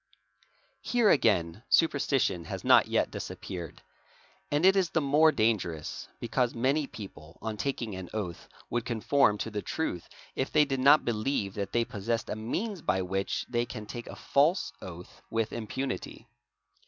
Here again superstition has not yet disappeared, and it is the more dangerous because many people on taking an oath would conform to the truth if they did not believe that they possessed a means by which they ean take a false oath with impunity.